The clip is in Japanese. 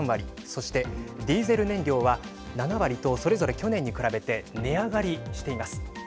そして、ディーゼル燃料は７割とそれぞれ去年に比べて値上がりしています。